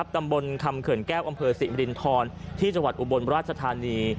ตำบลคำเขินแก้วอำเภอศรีมรินทรที่จังหวัดอุบลราชธานี